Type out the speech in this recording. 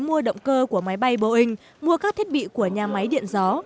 chúng ta mua động cơ của máy bay boeing mua các thiết bị của nhà máy điện gió